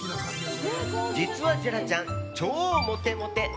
実は、ジェラちゃん超モテモテ。